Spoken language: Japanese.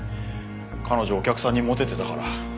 彼女お客さんにモテてたから。